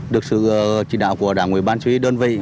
được sự chỉ đạo của đảng ủy ban suy đơn vị